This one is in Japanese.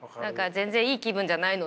全然いい気分じゃないので。